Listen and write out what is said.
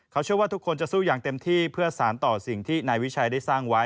เขาเชื่อว่าทุกคนจะสู้อย่างเต็มที่เพื่อสารต่อสิ่งที่นายวิชัยได้สร้างไว้